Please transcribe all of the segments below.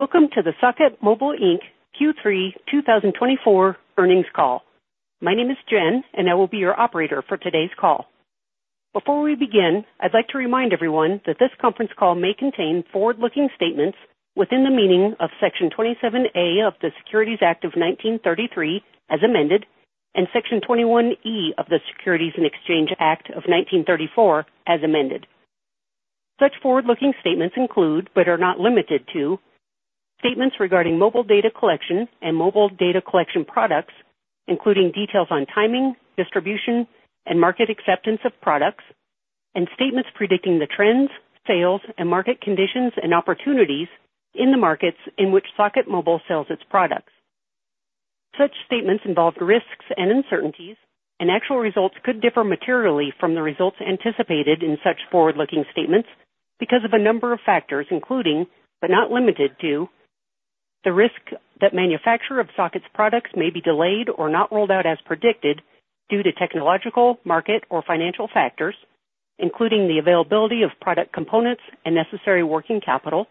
...Welcome to the Socket Mobile Inc. Q3 2024 earnings call. My name is Jen, and I will be your operator for today's call. Before we begin, I'd like to remind everyone that this conference call may contain forward-looking statements within the meaning of Section 27A of the Securities Act of 1933, as amended, and Section 21E of the Securities and Exchange Act of 1934, as amended. Such forward-looking statements include, but are not limited to, statements regarding mobile data collection and mobile data collection products, including details on timing, distribution, and market acceptance of products, and statements predicting the trends, sales, and market conditions and opportunities in the markets in which Socket Mobile sells its products. Such statements involve risks and uncertainties, and actual results could differ materially from the results anticipated in such forward-looking statements because of a number of factors, including, but not limited to, the risk that manufacturer of Socket's products may be delayed or not rolled out as predicted due to technological, market, or financial factors, including the availability of product components and necessary working capital,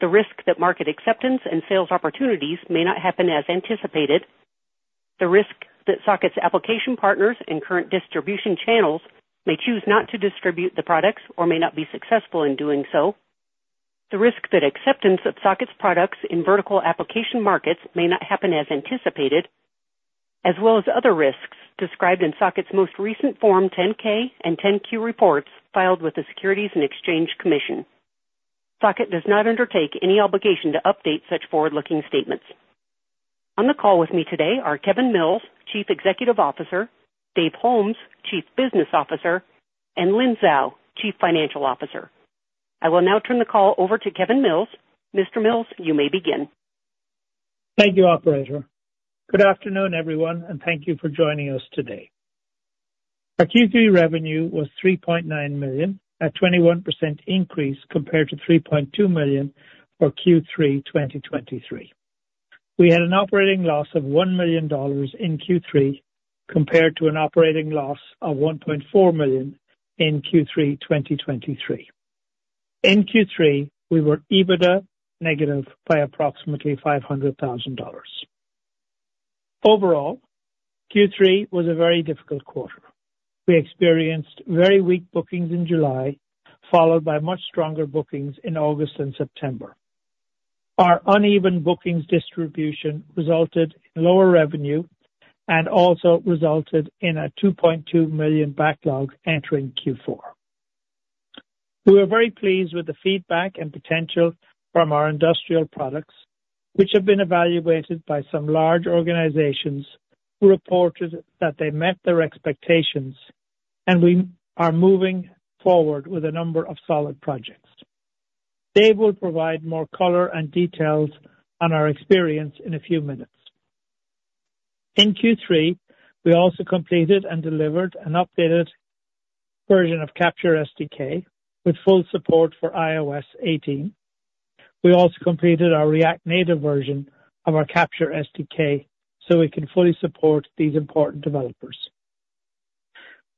the risk that market acceptance and sales opportunities may not happen as anticipated, the risk that Socket's application partners and current distribution channels may choose not to distribute the products or may not be successful in doing so, the risk that acceptance of Socket's products in vertical application markets may not happen as anticipated, as well as other risks described in Socket's most recent Form 10-K and 10-Q reports filed with the Securities and Exchange Commission. Socket does not undertake any obligation to update such forward-looking statements. On the call with me today are Kevin Mills, Chief Executive Officer, Dave Holmes, Chief Business Officer, and Lynn Zhao, Chief Financial Officer. I will now turn the call over to Kevin Mills. Mr. Mills, you may begin. Thank you, operator. Good afternoon, everyone, and thank you for joining us today. Our Q3 revenue was $3.9 million, a 21% increase compared to $3.2 million for Q3 2023. We had an operating loss of $1 million in Q3, compared to an operating loss of $1.4 million in Q3 2023. In Q3, we were EBITDA negative by approximately $500,000. Overall, Q3 was a very difficult quarter. We experienced very weak bookings in July, followed by much stronger bookings in August and September. Our uneven bookings distribution resulted in lower revenue and also resulted in a $2.2 million backlog entering Q4. We were very pleased with the feedback and potential from our industrial products, which have been evaluated by some large organizations, who reported that they met their expectations, and we are moving forward with a number of solid projects. Dave will provide more color and details on our experience in a few minutes. In Q3, we also completed and delivered an updated version of Capture SDK with full support for iOS 18. We also completed our React Native version of our Capture SDK, so we can fully support these important developers.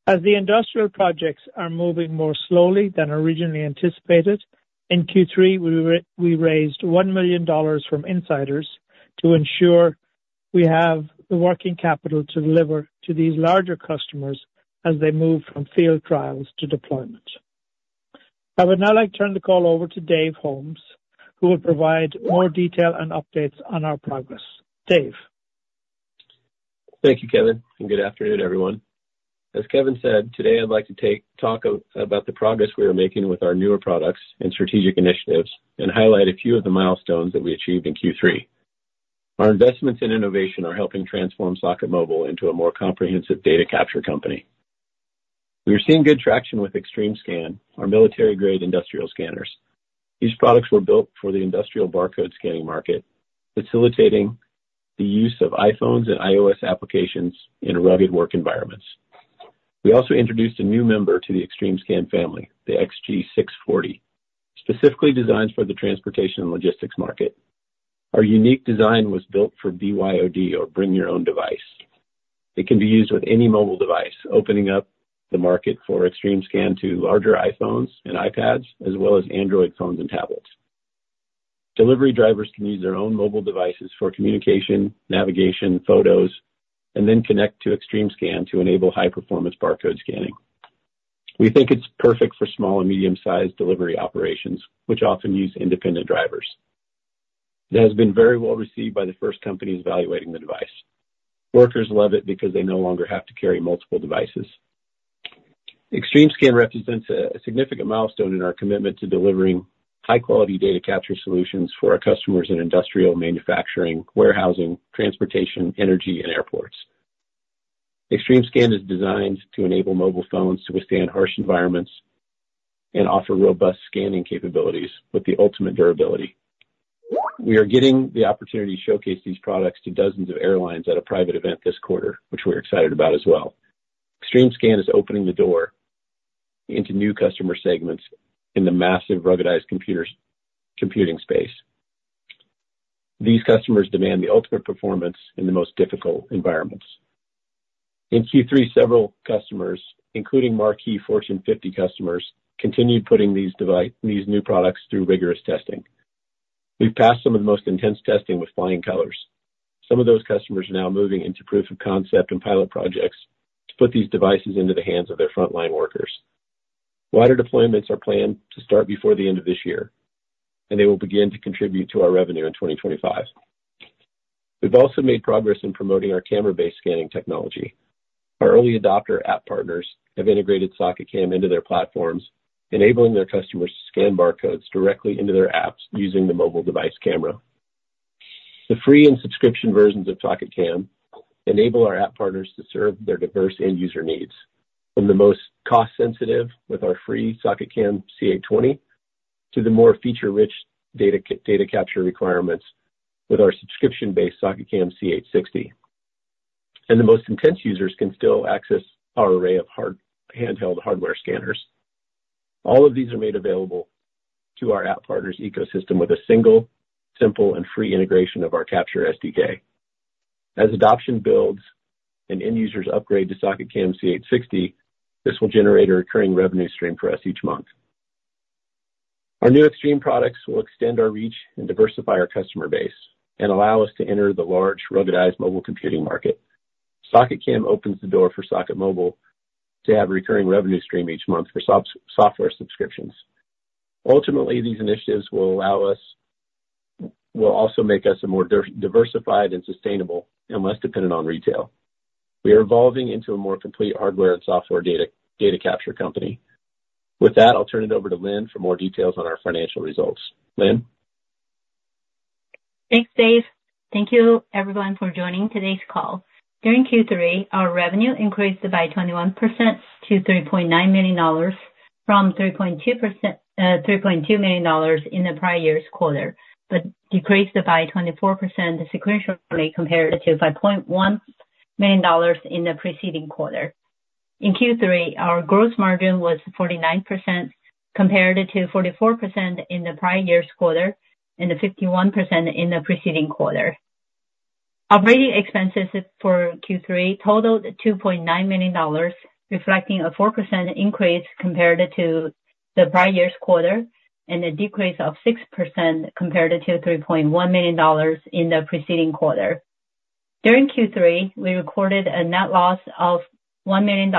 As the industrial projects are moving more slowly than originally anticipated, in Q3, we raised $1 million from insiders to ensure we have the working capital to deliver to these larger customers as they move from field trials to deployment. I would now like to turn the call over to Dave Holmes, who will provide more detail and updates on our progress. Dave? Thank you, Kevin, and good afternoon, everyone. As Kevin said, today I'd like to talk about the progress we are making with our newer products and strategic initiatives and highlight a few of the milestones that we achieved in Q3. Our investments in innovation are helping transform Socket Mobile into a more comprehensive data capture company. We are seeing good traction with XtremeScan, our military-grade industrial scanners. These products were built for the industrial barcode scanning market, facilitating the use of iPhones and iOS applications in rugged work environments. We also introduced a new member to the XtremeScan family, the XG640, specifically designed for the transportation and logistics market. Our unique design was built for BYOD, or Bring Your Own Device. It can be used with any mobile device, opening up the market for XtremeScan to larger iPhones and iPads, as well as Android phones and tablets. Delivery drivers can use their own mobile devices for communication, navigation, photos, and then connect to XtremeScan to enable high-performance barcode scanning. We think it's perfect for small and medium-sized delivery operations, which often use independent drivers. It has been very well received by the first company evaluating the device. Workers love it because they no longer have to carry multiple devices. XtremeScan represents a significant milestone in our commitment to delivering high-quality data capture solutions for our customers in industrial, manufacturing, warehousing, transportation, energy, and airports. XtremeScan is designed to enable mobile phones to withstand harsh environments and offer robust scanning capabilities with the ultimate durability. We are getting the opportunity to showcase these products to dozens of airlines at a private event this quarter, which we're excited about as well. XtremeScan is opening the door into new customer segments in the massive ruggedized computers, computing space. These customers demand the ultimate performance in the most difficult environments. In Q3, several customers, including marquee Fortune 50 customers, continued putting these device, these new products through rigorous testing. We've passed some of the most intense testing with flying colors. Some of those customers are now moving into proof of concept and pilot projects to put these devices into the hands of their frontline workers. Wider deployments are planned to start before the end of this year, and they will begin to contribute to our revenue in 2025. We've also made progress in promoting our camera-based scanning technology. Our early adopter app partners have integrated SocketCam into their platforms, enabling their customers to scan barcodes directly into their apps using the mobile device camera. The free and subscription versions of SocketCam enable our app partners to serve their diverse end user needs, from the most cost sensitive with our free SocketCam C820, to the more feature rich data capture requirements with our subscription-based SocketCam C860. And the most intense users can still access our array of handheld hardware scanners. All of these are made available to our app partners ecosystem with a single, simple, and free integration of our Capture SDK. As adoption builds and end users upgrade to SocketCam C860, this will generate a recurring revenue stream for us each month. Our new Xtreme products will extend our reach and diversify our customer base and allow us to enter the large ruggedized mobile computing market. SocketCam opens the door for Socket Mobile to have recurring revenue stream each month for software subscriptions. Ultimately, these initiatives will allow us... Will also make us a more diversified and sustainable and less dependent on retail. We are evolving into a more complete hardware and software data capture company. With that, I'll turn it over to Lynn for more details on our financial results. Lynn? Thanks, Dave. Thank you everyone for joining today's call. During Q3, our revenue increased by 21% to $3.9 million from $3.2 million in the prior year's quarter, but decreased by 24% sequentially compared to $5.1 million in the preceding quarter. In Q3, our gross margin was 49%, compared to 44% in the prior year's quarter and 51% in the preceding quarter. Operating expenses for Q3 totaled $2.9 million, reflecting a 4% increase compared to the prior year's quarter and a decrease of 6% compared to $3.1 million in the preceding quarter. During Q3, we recorded a net loss of $1 million,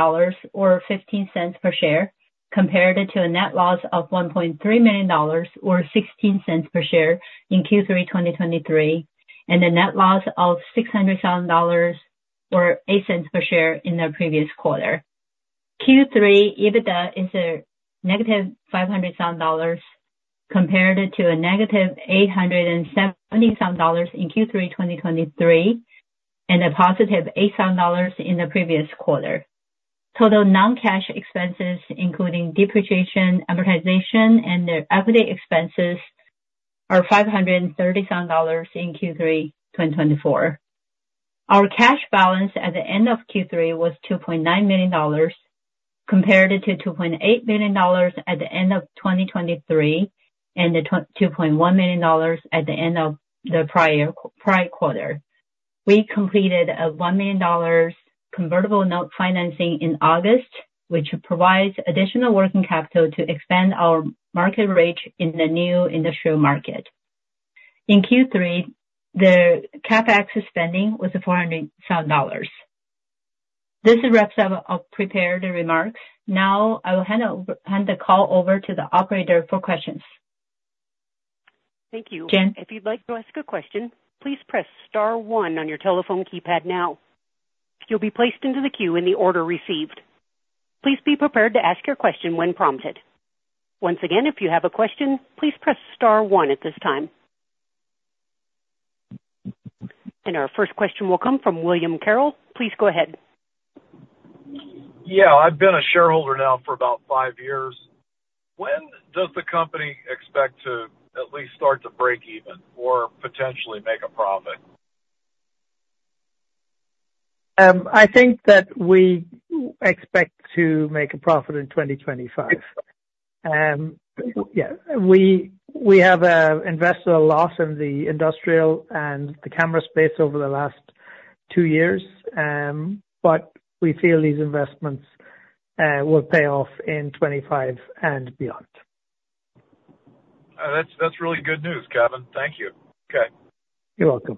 or $0.15 per share, compared to a net loss of $1.3 million or $0.16 per share in Q3 2023, and a net loss of $600,000 or $0.08 per share in the previous quarter. Q3 EBITDA is negative $500,000, compared to negative $870,000 in Q3 2023, and positive $80,000 in the previous quarter. Total non-cash expenses, including depreciation, amortization, and the equity expenses, are $530,000 in Q3 2024. Our cash balance at the end of Q3 was $2.9 million, compared to $2.8 million at the end of 2023, and the $2.1 million at the end of the prior year, prior quarter. We completed a $1 million convertible note financing in August, which provides additional working capital to expand our market reach in the new industrial market. In Q3, the CapEx spending was 400-some dollars. This wraps up our prepared remarks. Now, I will hand the call over to the operator for questions. Thank you. Jen? If you'd like to ask a question, please press star one on your telephone keypad now. You'll be placed into the queue in the order received. Please be prepared to ask your question when prompted. Once again, if you have a question, please press star one at this time, and our first question will come from William Carroll. Please go ahead. Yeah, I've been a shareholder now for about five years. When does the company expect to at least start to break even or potentially make a profit? I think that we expect to make a profit in 2025. Yeah, we have invested a lot in the industrial and the camera space over the last two years. But we feel these investments will pay off in 2025 and beyond. That's really good news, Kevin. Thank you. Okay. You're welcome.